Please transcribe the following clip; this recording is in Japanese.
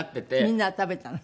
みんなが食べたの？